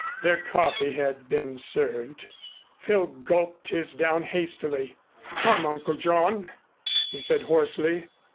Their coffee had been served. Phil gulped his down hastily. "Come, Uncle John," he said hoarsely.